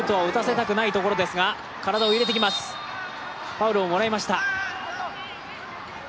ファウルをもらいました。